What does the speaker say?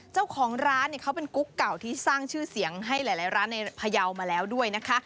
เจ้าของร้านเนี่ยเขาเป็นกุ๊กเก่าที่สร้างชื่อเสียงให้หลายร้านในพยาวมาแล้วด้วยนะคะ